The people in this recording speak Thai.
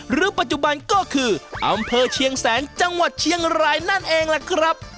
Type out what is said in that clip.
หรือปัจจุบันก็คืออำเภอเชียงแสนจังหวัดเชียงรายนั่นเองล่ะครับ